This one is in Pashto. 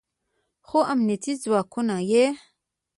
خو امنیتي ځواکونه یې